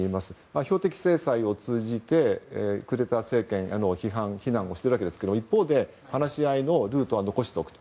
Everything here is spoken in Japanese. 標的制裁を通じてクーデター政権への非難をしているわけですが一方で、話し合いのルートは残しておくと。